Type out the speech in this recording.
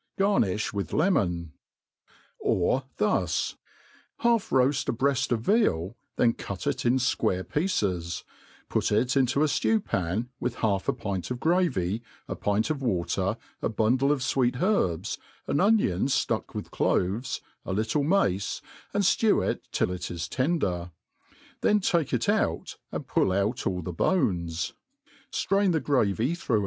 Garnifb with lemon. Or tbus : half road a breaft Of veal, then cut it in fquars pieces \ put it into a (lew pan, with half a pint of gravy, a^ptnt of water, a bundle of fweet herbs, an onion ftuck with cloves a little mace, and (lew it till it is tender; then take it ^ut, and pull out all the bones, ftrain the ^ravy through ^< 7 ficve.